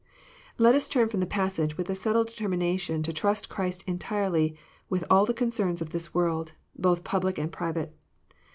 Let us turn from the passage with a settled determina tion to trust Christ entirely with all the concerns of this world, both public and private.